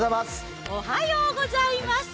おはようございます。